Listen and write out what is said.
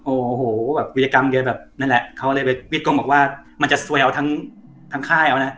โอ้โหวิริกรรมแบบนั่นแหละเขาเวียดกรรมบอกว่ามันจะสวยเอาทั้งค่าย